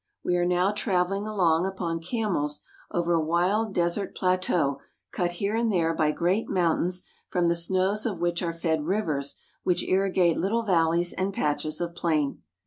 We are now traveling along upon camels over a wild desert plateau cut here and there by great mountains from the snows of which are fed rivers which irrigate little valleys and patches of plain.